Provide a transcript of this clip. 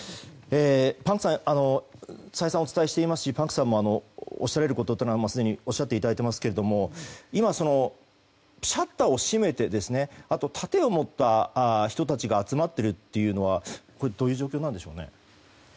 パンクさん再三お伝えしていますしパンクさんもおっしゃられることはすでにおっしゃられていただいていますけど今、シャッターを閉めてそして盾を持った人たちが集まっているというのはどういう状況なんでしょうか。